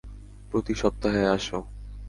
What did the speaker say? প্রতি সপ্তাহে আসো?